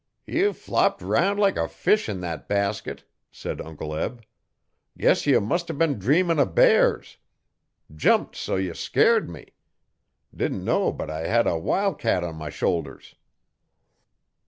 'Ye flopped 'round like a fish in thet basket,' said Uncle Eb. ''Guess ye must a been drearnin' O' bears. Jumped so ye scairt me. Didn't know but I had a wil' cat on my shoulders.'